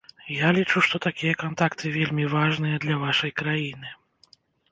Я лічу, што такія кантакты вельмі важныя для вашай краіны.